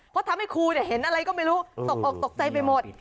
เพราะทำให้ครูเห็นอะไรก็ไม่รู้ตกออกตกใจไปหมด